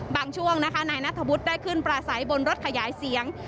บางช่วงนะคะนายนัทบุธได้ขึ้นปลาไสบนรถขยายเสียง